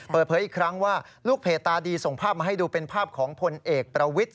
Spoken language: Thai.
เปิดเผยอีกครั้งว่าลูกเพจตาดีส่งภาพมาให้ดูเป็นภาพของพลเอกประวิทธิ